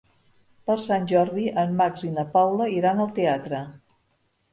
Per Sant Jordi en Max i na Paula iran al teatre.